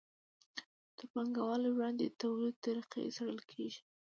تر پانګوالۍ وړاندې د توليد طریقې څیړل کیږي.